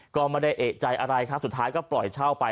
ก็ไม่ได้เอกใจอะไรครับสุดท้ายก็ปล่อยเช่าไป